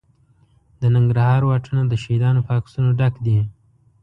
د ننګرهار واټونه د شهیدانو په عکسونو ډک دي.